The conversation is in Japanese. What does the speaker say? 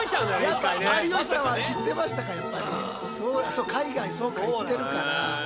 そう海外そうか行ってるから。